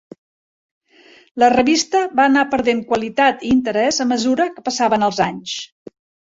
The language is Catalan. La revista va anar perdent qualitat i interès a mesura que passaven els anys.